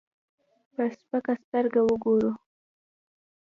په سپکه سترګه وګورو.